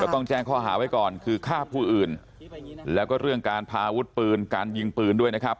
ต้องแจ้งข้อหาไว้ก่อนคือฆ่าผู้อื่นแล้วก็เรื่องการพาอาวุธปืนการยิงปืนด้วยนะครับ